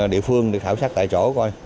địa phương để khảo sát tại chỗ coi